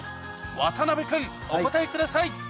渡辺君お答えください